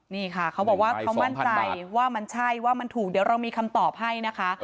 นี่ค่ะเขาบอกว่าเขามั่นใจว่ามันใช่ว่ามันถูกเดี๋ยวเรามีคำตอบให้นะคะ